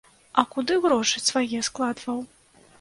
А куды грошы свае складваў?